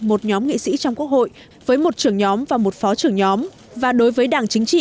một nhóm nghị sĩ trong quốc hội với một trưởng nhóm và một phó trưởng nhóm và đối với đảng chính trị